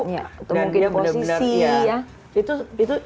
atau mungkin posisi ya